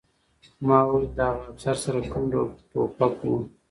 ما وویل د هغه افسر سره کوم ډول ټوپک و